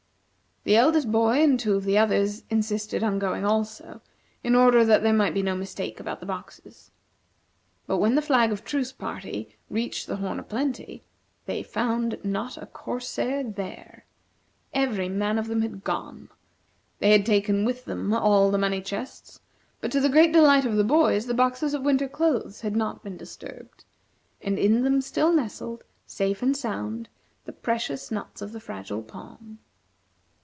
The eldest boy and two of the others insisted on going also, in order that there might be no mistake about the boxes. But when the flag of truce party reached the "Horn o' Plenty" they found not a corsair there! Every man of them had gone. They had taken with them all the money chests, but to the great delight of the boys, the boxes of winter clothes had not been disturbed; and in them still nestled, safe and sound, the precious nuts of the Fragile Palm.